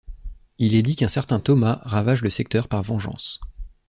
Il est dit qu'un certain Thomas ravage le secteur par vengeance.